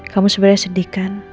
kamu sebenarnya sedih kan